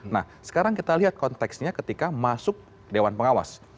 nah sekarang kita lihat konteksnya ketika masuk dewan pengawas